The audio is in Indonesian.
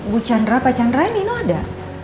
bu chandra pak chandra ini ada